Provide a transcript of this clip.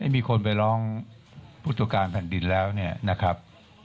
มีคนไปร้องพุทธการผ่านดินแล้วเนี่ยนะครับ